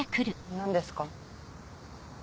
何ですか？